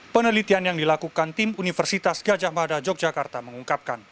penelitian yang dilakukan tim universitas gajah mada yogyakarta mengungkapkan